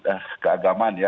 rumah sakit keagaman ya